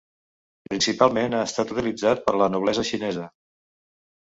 Principalment ha estat utilitzat per la noblesa xinesa.